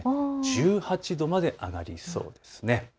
１８度まで上がりそうなんです。